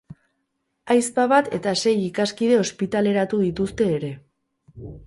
Ahizpa bat eta sei ikaskide ospitaleratu dituzte ere.